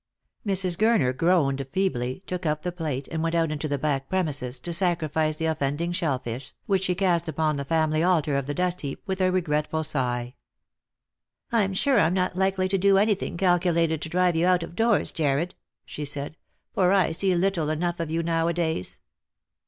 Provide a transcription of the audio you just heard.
Mrs. Gurner groaned feebly, took up the plate and went out into the back premises, to sacrifice the offending shellfish, which she cast upon the family altar of the dustheap with a regretful sigh. " I'm sure I'm not likely to do anything calculated to drive you out of doors, Jarred," she said, " for I see little enough of you nowadays."